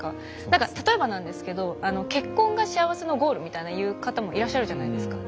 何か例えばなんですけどあの「結婚が幸せのゴール」みたいな言う方もいらっしゃるじゃないですか。